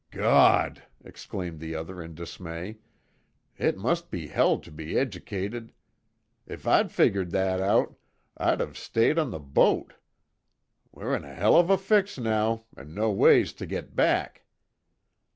"Gawd!" exclaimed the other, in dismay, "It must be hell to be eggicated! If I'd figgered that out, I'd of stayed on the boat! We're in a hell of a fix now, an' no ways to git back.